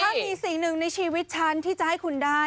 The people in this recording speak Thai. ถ้ามีสิ่งหนึ่งในชีวิตฉันที่จะให้คุณได้